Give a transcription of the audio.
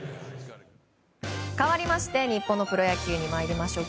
かわりまして日本のプロ野球に参りましょう。